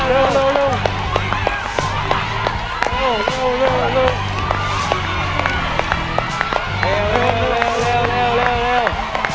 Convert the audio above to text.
เร็วเร็วเร็ว